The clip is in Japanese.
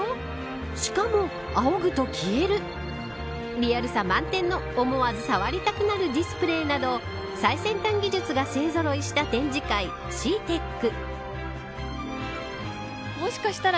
しかも、仰ぐと消えるリアルさ満点の思わず触りたくなるディスプレーなど最先端技術が勢ぞろいした展示会ＣＥＡＴＥＣ。